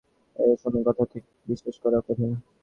এই সামান্য কথাতেই কাজ হবে এটা বিশ্বাস করা কঠিন।